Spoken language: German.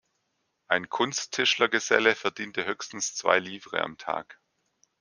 Ein Kunsttischler-Geselle verdiente höchstens zwei Livres am Tag.